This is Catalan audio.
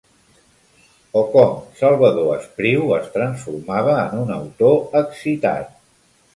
O com Salvador Espriu es transformava en un autor excitat.